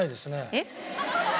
えっ？